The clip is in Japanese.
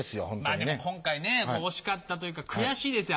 でも今回惜しかったというか悔しいですよ